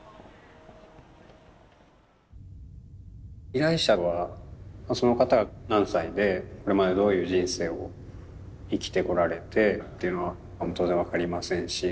依頼者はその方が何歳でこれまでどういう人生を生きてこられてっていうのは当然分かりませんし。